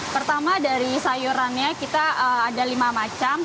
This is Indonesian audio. pertama dari sayurannya kita ada lima macam